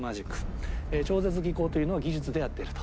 超絶技巧というのを技術でやってると。